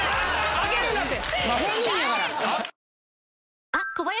開けるなて！